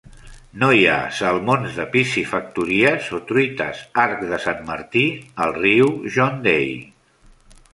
No hi ha salmons de piscifactories o truites arc de Sant Martí al riu John Day.